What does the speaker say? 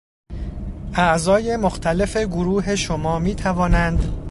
اعضای مختلف گروه شما میتوانند...